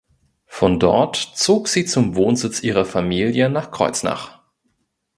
Von dort zog sie zum Wohnsitz ihrer Familie nach Kreuznach.